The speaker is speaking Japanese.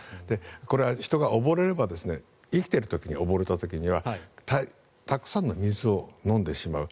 これは人が溺れれば生きている時に溺れた時にはたくさんの水を飲んでしまう。